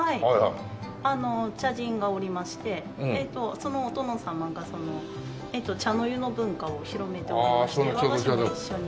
そのお殿様が茶の湯の文化を広めておりまして和菓子も一緒に。